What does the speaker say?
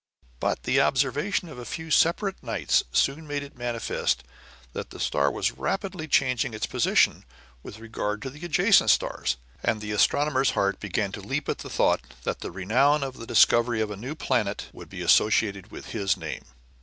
But the observation of a few separate nights soon made it manifest that the star was rapidly changing its position with regard to the adjacent stars, and the astronomer's heart began to leap at the thought that the renown of the discovery of a new planet would be associated with his name.